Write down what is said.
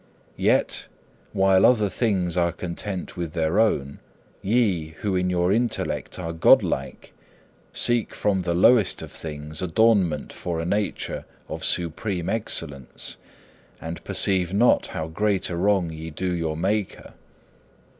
Yet, while other things are content with their own, ye who in your intellect are God like seek from the lowest of things adornment for a nature of supreme excellence, and perceive not how great a wrong ye do your Maker.